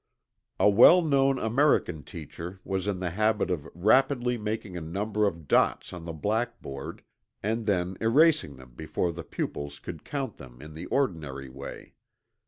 A well known American teacher was in the habit of rapidly making a number of dots on the blackboard, and then erasing them before the pupils could count them in the ordinary way.